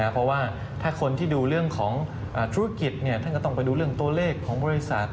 เพราะว่าถ้าคนที่ดูเรื่องของธุรกิจท่านก็ต้องไปดูเรื่องตัวเลขของบริษัท